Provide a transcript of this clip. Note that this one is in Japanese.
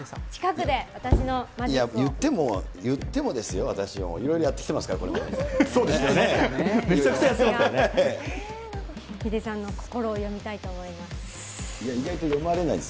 言っても、言ってもですよ、私はいろいろやってきてますから、これまで。